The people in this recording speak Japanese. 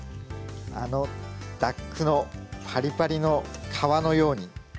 あのダックのパリパリの皮のように。